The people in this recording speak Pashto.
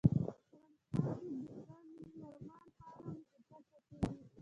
افغانستان کې د سنگ مرمر په اړه زده کړه کېږي.